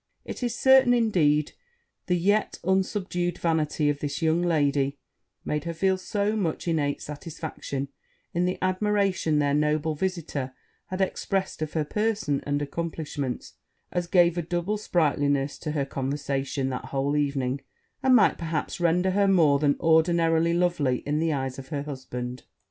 It is certain, indeed, the yet unsubdued vanity of this young lady made her feel so much innate satisfaction in the admiration their noble visitor had expressed of her person and accomplishments, as gave a double sprightliness to her conversation that whole evening; and might, perhaps, render her more than ordinarily lovely in the eyes of her husband.